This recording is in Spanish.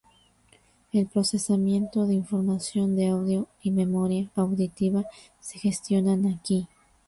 El procesamiento de información de audio y memoria auditiva se gestionan aquí.